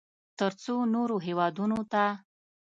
ترڅو نورو هېوادونو ته